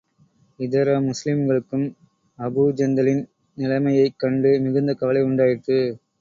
இதர முஸ்லிம்களுக்கும், அபூஜந்தலின் நிலைமையைக் கண்டு மிகுந்த கவலை உண்டாயிற்று.